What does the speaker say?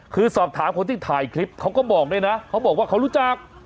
คือสอบถามคนที่ถ่ายคลิปเขาก็บอกด้วยนะเขาบอกว่าเขารู้จัก